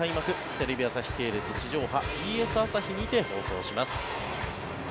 テレビ朝日系列地上波、ＢＳ朝日にて放送します。